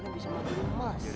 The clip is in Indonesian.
terima kasih nyai